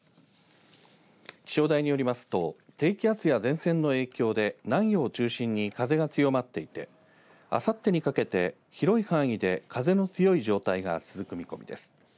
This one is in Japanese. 気象台によりますと低気圧や前線の影響で南予を中心に風が強まっていてあさってにかけて広い範囲で風の強い状態が続く見込みです。